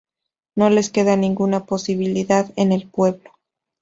No les queda ninguna posibilidad en el pueblo.